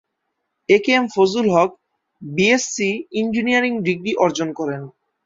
এ K M Fazlul Haque BSc engineering degree অর্জন করেন।